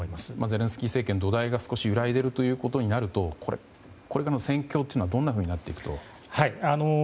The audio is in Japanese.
ゼレンスキー政権の土台が少し揺らいでいるということになるとこれからの戦況はどうなると思いますか。